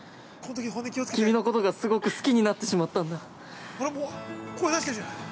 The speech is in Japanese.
君のことがすごく好きになってしまったんだ。